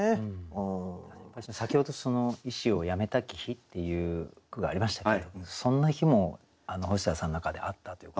先ほどその「医師をやめたき日」っていう句がありましたけれどそんな日も細谷さんの中であったということですか？